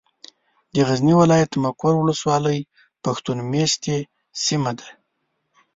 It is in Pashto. د غزني ولايت ، مقر ولسوالي پښتون مېشته سيمه ده.